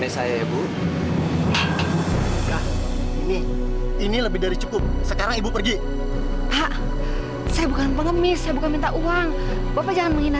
sampai jumpa di video selanjutnya